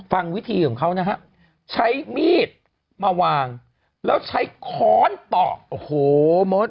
ฟังวิธีของเขานะฮะใช้มีดมาวางแล้วใช้ค้อนต่อโอ้โหมด